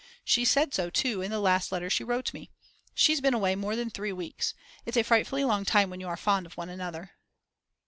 She said so too in the last letter she wrote me. She's been away more than 3 weeks. It's a frightfully long time when you are fond of one another.